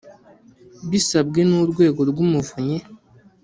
bisabwe n Urwego rw Umuvunyi